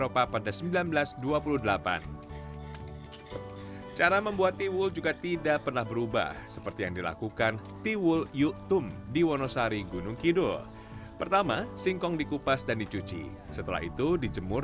makanan yang paling banyak dipesan konsumen